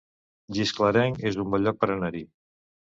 Gisclareny es un bon lloc per anar-hi